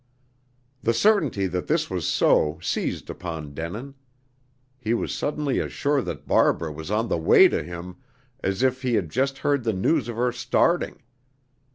The certainty that this was so seized upon Denin. He was suddenly as sure that Barbara was on the way to him, as if he had just heard the news of her starting.